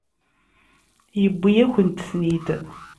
Yewwi-yakent-ten-id.